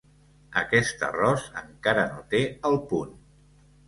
Aquest arròs encara no té el punt.